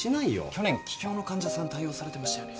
去年気胸の患者さん対応されてましたよね？